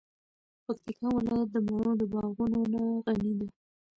پکتیکا ولایت د مڼو د باغونو نه غنی ده.